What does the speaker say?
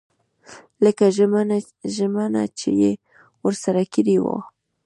لکه ژمنه چې یې ورسره کړې وه.